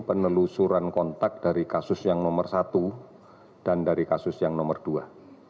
penelusuran kontak dari kasus yang nomor satu dan dari kasus yang nomor dua